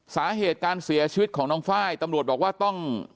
สาเหตุการเสียชีวิตของน้องไฟล์ตำรวจบอกว่าต้อง